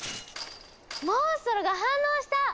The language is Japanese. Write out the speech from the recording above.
モンストロが反応した！